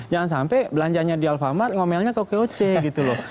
jangan sampai belanjanya di alfamart ngomelnya ke okoc gitu loh